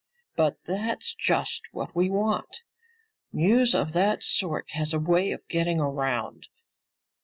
But that's just what we want. News of that sort has a way of getting around.